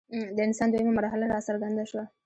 د انسان دویمه مرحله راڅرګنده شوه.